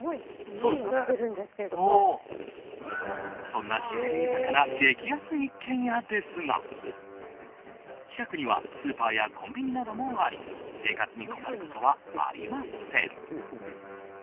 そんな自然豊かな激安一軒家ですが近くにはスーパーやコンビニなどもあり生活に困ることはありません。